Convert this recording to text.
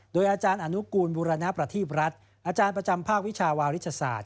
โดยอาจารย์อนุกูลบุรณประทีบรัฐอาจารย์ประจำภาควิชาวาริชศาสต